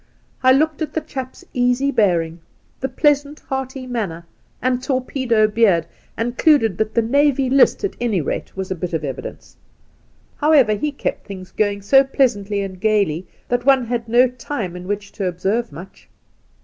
I looked at the chap's easy bearing, the pleasant, hearty manner and torpedo beard, and concluded that the Navy List, at any rate, was a bit of evidence. However, he kept things going so pleasantly and gaily that one had no time in which to observe much.